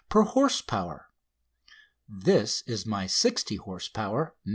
per horse power. This is my 60 horse power "No.